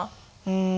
うん。